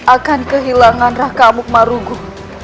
akan kehilangan raka amuk maruguh